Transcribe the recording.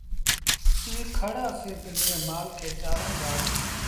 ايٚ کڙ اسيٚݩ پنڊري مآل کي چآرون دآ